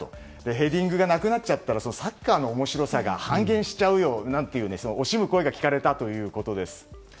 ヘディングがなくなっちゃったらサッカーの面白さが半減しちゃうよと惜しむ声が聞かれたということです。